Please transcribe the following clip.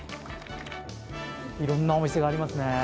いろんなお店がありますね。